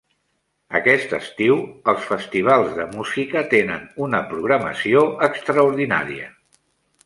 Aquest estiu els festivals de Música tenen una programació extraordinària.